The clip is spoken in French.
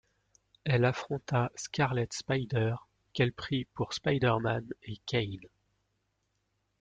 Elle affronta Scarlet Spider, qu'elle prit pour Spider-Man, et Kaine.